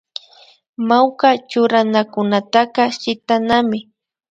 Mawka churanakunataka shitanami